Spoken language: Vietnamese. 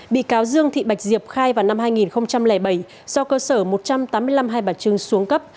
bị cáo dương thị bạch diệp khai vào năm hai nghìn bảy do cơ sở một trăm tám mươi năm hai bà trưng xuống cấp